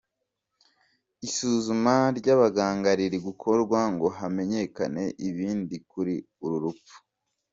Isuzuma ry’abaganga riri gukorwa ngo hamenyekane ibindi kuri uru rupfu.